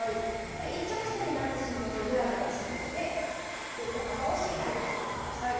これ一直線になってしまうとグラグラするので横幅をしっかり取っていって下さい。